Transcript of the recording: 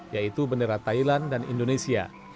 yaitu bendera thailand dan indonesia